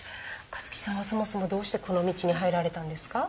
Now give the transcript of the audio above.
勝木さんはそもそもどうして、この道に入られたんですか？